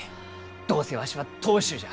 どうせわしは当主じゃ！